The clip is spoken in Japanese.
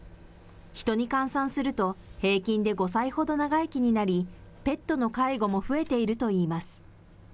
人に換算すると、平均で５歳ほど長生きになり、ペットの介護も増えているといいます。